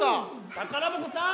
宝箱さん！